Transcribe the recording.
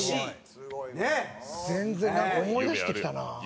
全然なんか思い出してきたな。